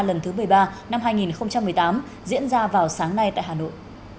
lần thứ một mươi ba năm hai nghìn một mươi tám diễn ra vào sáng nay tại hà nội